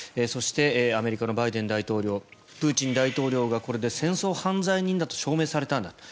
そしてアメリカのバイデン大統領プーチン大統領がこれで戦争犯罪人だと証明されたんだ